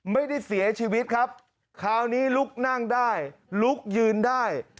ไม่ได้เสียชีวิตครับคราวนี้ลุกนั่งได้ลุกยืนได้